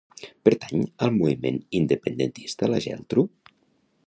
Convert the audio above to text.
Pertany al moviment independentista la Geltru?